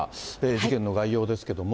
事件の概要ですけども。